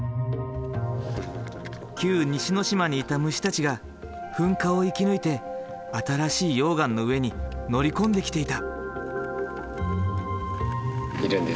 旧西之島にいた虫たちが噴火を生き抜いて新しい溶岩の上に乗り込んできていた。